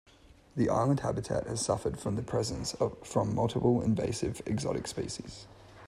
The island habitat has suffered from the presence from multiple invasive exotic species.